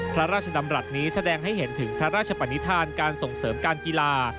พระราชดำรัฐนี้แสดงให้เห็นถึงพระราชปนิษฐานการส่งเสริมการกีฬา